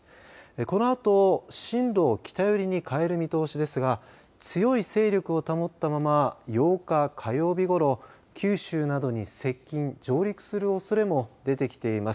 このあと進路を北寄りに変える見通しですが強い勢力を保ったまま８日、火曜日ごろ九州などに接近、上陸するおそれも出てきています。